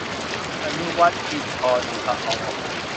อนุวัฒน์ อินทรต์ละออ